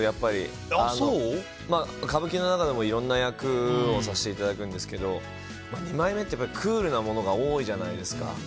歌舞伎の中でもいろんな役をさせていただくんですけど二枚目ってクールなものが多いじゃないですか。